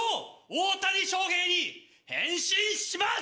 大谷翔平に変身します！